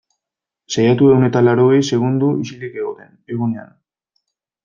Saiatu ehun eta laurogei segundo isilik egoten, egonean.